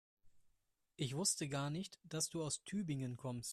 Ich wusste gar nicht, dass du aus Tübingen kommst